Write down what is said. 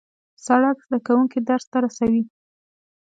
سړک زدهکوونکي درس ته رسوي.